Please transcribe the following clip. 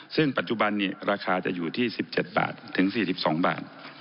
ซึ่งปัจจุบันนี้ราคาจะอยู่ที่๑๗บาทถึง๔๒บาท